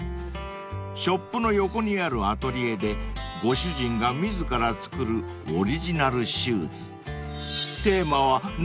［ショップの横にあるアトリエでご主人が自ら作るオリジナルシューズ］